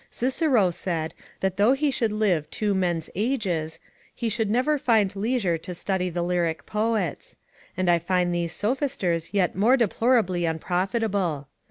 Cicero said, that though he should live two men's ages, he should never find leisure to study the lyric poets; and I find these sophisters yet more deplorably unprofitable.